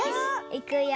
いくよ。